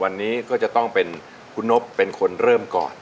วันนี้ก็จะต้องเป็นคุณนบเป็นคนเริ่มก่อน